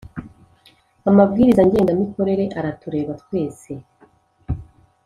amabwiriza ngengamikorere aratureba twe se